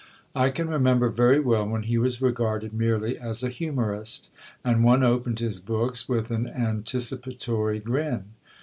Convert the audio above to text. I can remember very well when he was regarded merely as a humorist, and one opened his books with an anticipatory grin.